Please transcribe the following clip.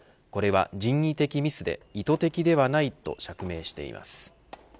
これは人為的ミスで意図的ではないと釈明しています。